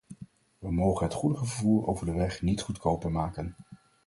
We mogen het goederenvervoer over de weg niet goedkoper maken.